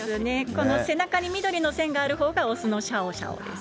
この背中に緑の線があるほうが雄のシャオシャオです。